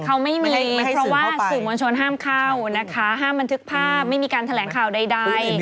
เขาไม่มีเพราะว่าสื่อมวลชนห้ามเข้านะคะห้ามบันทึกภาพไม่มีการแถลงข่าวใด